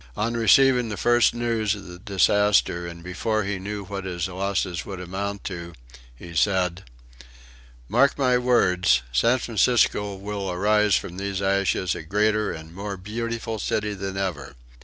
On receiving the first news of the disaster, and before he knew what his losses would amount to, he said: "Mark my words, San Francisco will arise from these ashes a greater and more beautiful city than ever.